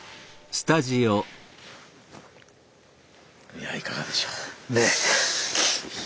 いやいかがでしょう。ね。